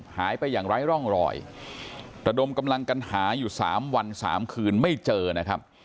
หายไปอย่างไร้ร่องรอยระดมกำลังกันหาอยู่๓วัน๓คืนไม่เจอนะครับ